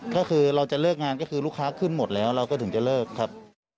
ก็คือเราจะเลิกงานก็คือลูกค้าขึ้นหมดแล้วเราก็ถึงจะเลิกครับ